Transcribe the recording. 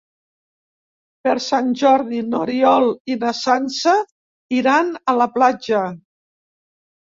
Per Sant Jordi n'Oriol i na Sança iran a la platja.